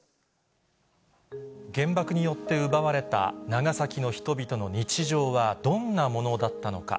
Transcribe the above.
原爆によって奪われた長崎の人々の日常はどんなものだったのか。